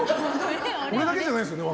俺だけじゃないですよね。